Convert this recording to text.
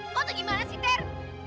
kau tuh gimana sih ter